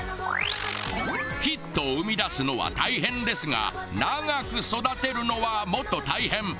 ヒットを生み出すのは大変ですが長く育てるのはもっと大変。